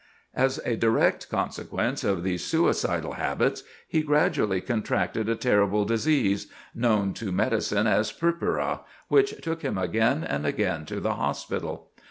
As a direct consequence of these suicidal habits, he gradually contracted a terrible disease—known to medicine as "purpura"—which took him again and again to the hospital.